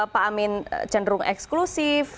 pak amin cenderung eksklusif